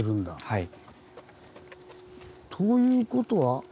はい。